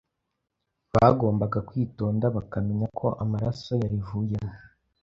bagombaga kwitonda bakamenya ko amaraso yarivuyemo.